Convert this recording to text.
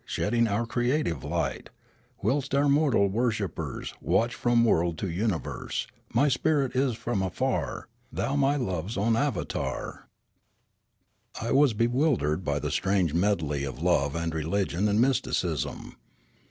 Shedding our creative light ; Whilst our mortal worshippers Watch from world to universe. Free my spirit from afar. Thou my love's own avatar ! Kloriole 269 I was bewildered by the strange medley of love and religion and mysticism.